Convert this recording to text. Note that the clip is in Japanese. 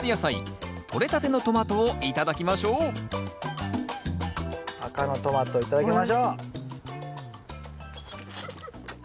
とれたてのトマトを頂きましょう赤のトマト頂きましょう。